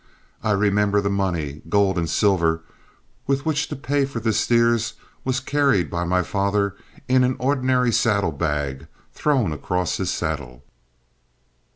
I remember the money, gold and silver, with which to pay for the steers, was carried by my father in ordinary saddle bags thrown across his saddle.